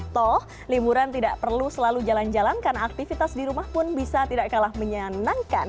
toh liburan tidak perlu selalu jalan jalan karena aktivitas di rumah pun bisa tidak kalah menyenangkan